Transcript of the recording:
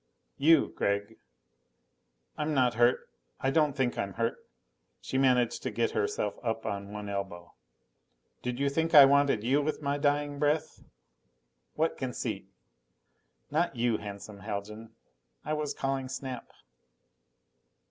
"You, Gregg. I'm not hurt I don't think I'm hurt." She managed to get herself up on one elbow. "Did you think I wanted you with my dying breath? What conceit! Not you, Handsome Haljan! I was calling Snap."